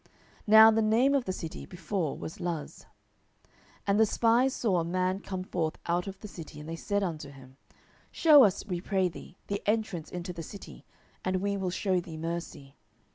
(Now the name of the city before was Luz.) 07:001:024 And the spies saw a man come forth out of the city, and they said unto him, Shew us, we pray thee, the entrance into the city, and we will shew thee mercy.